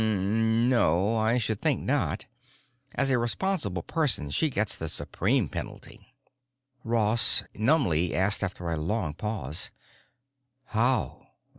"Hmm—no, I should think not. As a responsible person, she gets the supreme penalty." Ross numbly asked after a long pause, "How?